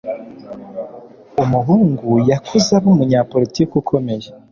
Umuhungu yakuze aba umunyapolitiki ukomeye